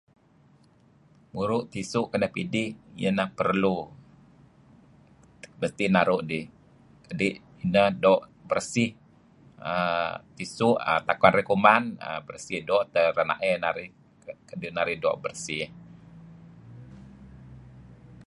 Muru' tisu' kenep idih. Ieh ineh perlu. Mesti naru' dih. Kadi' neh doo' beresih aaa... tisu' aaa... tak arih kuman, aaa... doo' teh rea'ey narih kadi' narih doo' beresih.